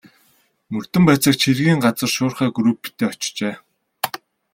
Мөрдөн байцаагч хэргийн газар шуурхай групптэй очжээ.